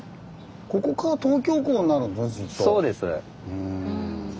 ここから東京港になるんだずっと。